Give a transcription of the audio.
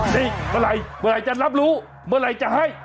นี่เมื่อไหร่จะรับรู้เมื่อไหร่จะให้